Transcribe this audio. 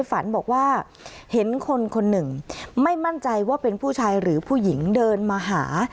ฝันบอกว่าเห็นคนคนหนึ่งไม่มั่นใจว่าเป็นผู้ชายหรือผู้หญิงเดินมาหา